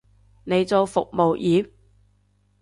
你做服務業？